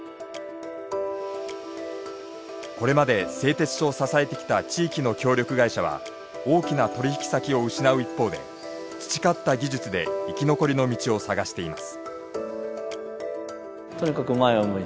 これまで製鉄所を支えてきた地域の協力会社は大きな取引先を失う一方で培った技術で生き残りの道を探しています。